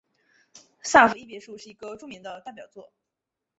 萨伏伊别墅是一个著名的代表作。